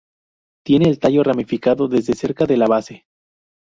Tiene el tallo ramificado desde cerca de la base.